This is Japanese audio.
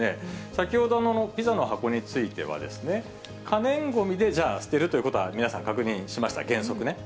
先ほどのピザの箱については、可燃ごみでじゃあ、捨てるということは皆さん確認しました、原則ね。